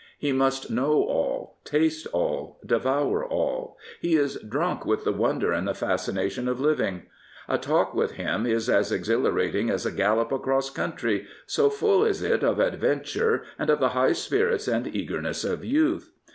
He must know all, taste all, deyqjir all. He is drunk with the wonder and the fascination of living. A talk with him is as exhilarating as a gallop across country, so full is it of adventure, and of the high spirits and eagerness of youth.